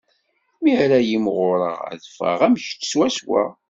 Mi ara imɣureɣ, ad d-ffɣeɣ am kečč swaswa.